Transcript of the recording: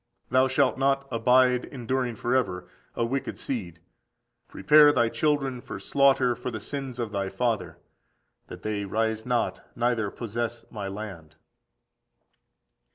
Thou shalt not abide, enduring for ever, a wicked seed. Prepare thy children for slaughter, for the sins of thy father, that they rise not, neither possess my land."